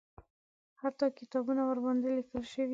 حتی کتابونه ورباندې لیکل شوي دي.